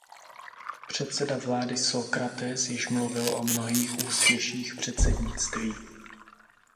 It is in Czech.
Předseda vlády Sócrates již mluvil o mnohých úspěších předsednictví.